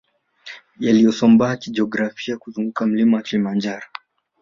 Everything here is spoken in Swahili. Yaliyosambaa kijiografia kuzunguka mlima Kilimanjaro